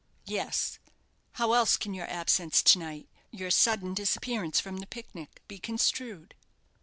"Yes; how else can your absence to night your sudden disappearance from the pic nic be construed?"